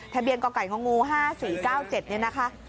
ทะเบียนก๋อก่ายงงู๕๔๙๗นี่นะคะ